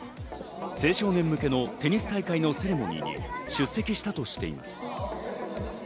青少年向けのテニス大会のセレモニーに出席したとしています。